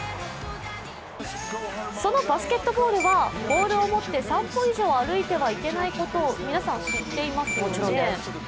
そのバスケットボールはボールを持って３歩以上歩いてはいけないことを皆さん、知っていますよね？